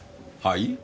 はい？